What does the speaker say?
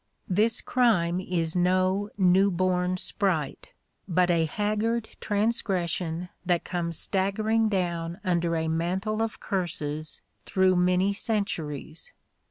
This crime is no newborn sprite, but a haggard transgression that comes staggering down under a mantle of curses through many centuries.